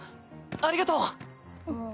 ありがとう！あっ。